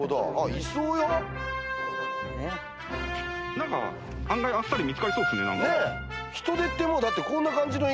何か案外あっさり見つかりそうですね。